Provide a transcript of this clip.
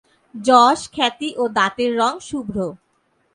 যশ, খ্যাতি ও দাঁতের রঙ শুভ্র।